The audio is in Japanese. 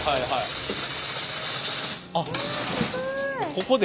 ここで？